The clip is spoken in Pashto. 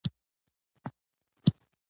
د خبرو تر ختمېدو مخکې پایله وایو.